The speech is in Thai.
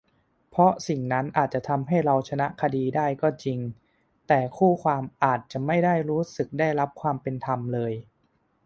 เพราะสิ่งนั้นอาจจะทำให้เราชนะคดีได้ก็จริง แต่คู่ความอาจจะไม่ได้รู้สึกได้รับความเป็นธรรมเลย